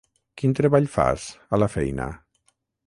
Quin treball fas, a la feina?